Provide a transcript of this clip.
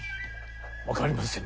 分かりませぬ。